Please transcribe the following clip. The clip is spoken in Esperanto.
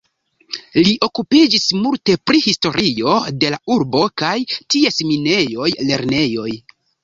Li okupiĝis multe pri historio de la urbo kaj ties minejoj, lernejoj.